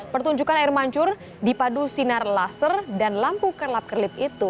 pertunjukan air mancur di padu sinar laser dan lampu kelap kelip itu